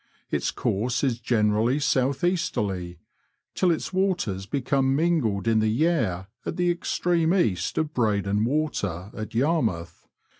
Its course is generally south easterly, till its waters become mingled in the Yare at the extreme «east of Breydon Water at Yarmouth.